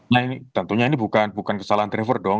nah ini tentunya ini bukan kesalahan driver dong